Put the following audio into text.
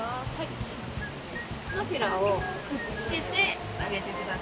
手のひらをくっつけてあげてください。